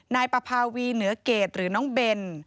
นายปภาวีเหนือเกดหรือน้องเบน